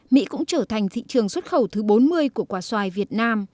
mỹ cũng trở thành thị trường xuất khẩu thứ bốn mươi của quả xoài việt nam